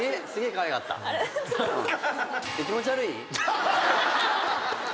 気持ち悪い？